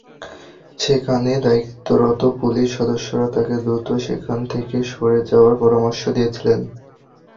সেখানে দায়িত্বরত পুলিশ সদস্যরা তাঁকে দ্রুত সেখান থেকে সরে যাওয়ারও পরামর্শ দিয়েছিলেন।